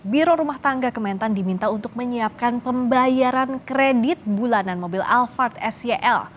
biro rumah tangga kementan diminta untuk menyiapkan pembayaran kredit bulanan mobil alphard sel